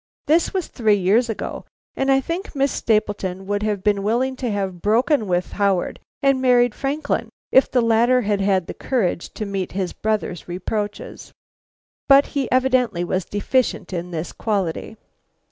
This was three years ago, and I think Miss Stapleton would have been willing to have broken with Howard and married Franklin if the latter had had the courage to meet his brother's reproaches. But he evidently was deficient in this quality.